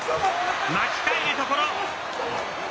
巻きかえるところ。